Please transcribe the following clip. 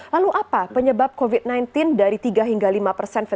lalu apa penyebab covid sembilan belas dari tiga hingga lima persen